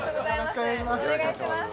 よろしくお願いします